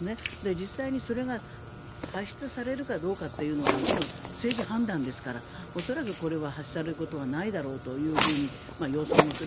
実際にそれが発出されるかどうかというのは政治判断ですから恐らくこれは発せられることはないだろうと予想もする。